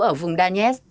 ở vũ đa